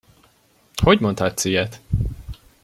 Hogy mondhatsz ilyet?